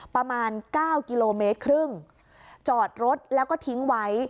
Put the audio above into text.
ประมาณเก้ากิโลเมตรครึ่งจอดรถแล้วก็ทิ้งไว้